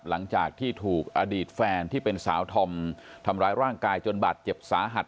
หลังจากที่ถูกอดีตแฟนที่เป็นสาวธอมทำร้ายร่างกายจนบาดเจ็บสาหัส